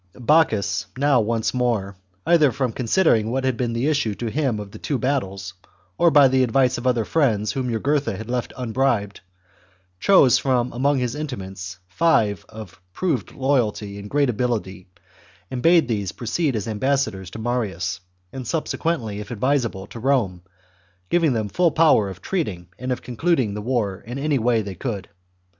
Bocchus now once more, either from considering what had been the issue to him of the two battles, or by the advice of other friends whom Jugurtha had left unbribed, chose from among his intimates five of proved loyalty and great ability, and bade these proceed as ambassadors to Marius, and subsequently, THE JUGURTHINE WAR. 23/ if advisable, to Rome ; giving them full power of ^^.f^ treating and of concluding the war in any way they •could.